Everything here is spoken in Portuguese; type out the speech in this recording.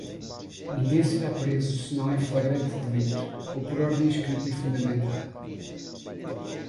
ninguém será preso senão em flagrante delito ou por ordem escrita e fundamentada